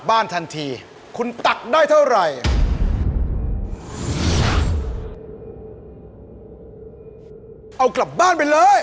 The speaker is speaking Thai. มั่นใจแค่ไหน